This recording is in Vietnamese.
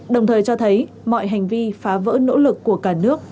đồng thời cho thấy mọi hành vi phá vỡ nỗ lực của cả nước